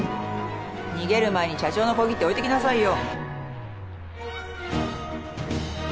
逃げる前に社長の小切手置いてきなさいよ。